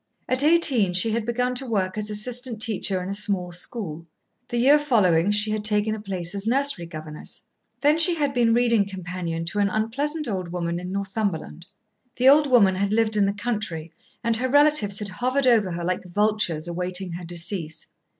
At eighteen she had begun to work as assistant teacher in a small school; the year following she had taken a place as nursery governess; then she had been reading companion to an unpleasant old woman in Northumberland. The old woman had lived in the country, and her relatives had hovered over her like vultures awaiting her decease.